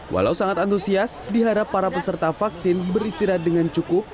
walau sangat antusias diharap para peserta vaksin beristirahat dengan cukup